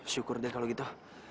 syukur deh kalau gitu